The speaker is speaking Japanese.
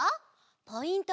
ポイント